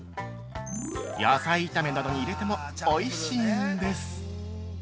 野菜炒めなどに入れてもおいしいんです。